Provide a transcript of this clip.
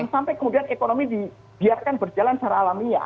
sampai kemudian ekonomi dibiarkan berjalan secara alamiah